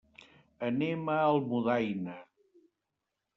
Anem a Almudaina.